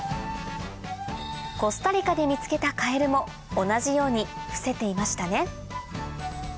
コスタリカで見つけたカエルも同じように伏せていましたね